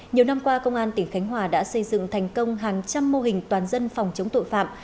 nhiều năm qua công an tỉnh khánh hòa đã xây dựng thành công hàng trăm mô hình toàn dân phòng chống tội phạm